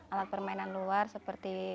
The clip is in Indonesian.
alat permainan luar seperti